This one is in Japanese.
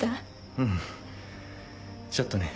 うんちょっとね